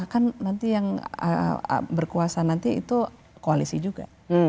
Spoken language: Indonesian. kan nanti yang berkuasa nanti itu koalisi juga